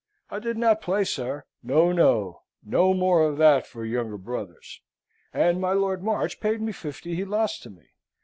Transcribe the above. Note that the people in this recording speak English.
I did not play, sir, no, no; no more of that for younger brothers! And my Lord March paid me fifty he lost to me.